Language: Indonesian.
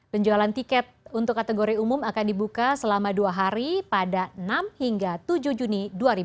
penjualan tiket untuk kategori umum akan dibuka selama dua hari pada enam hingga tujuh juni dua ribu dua puluh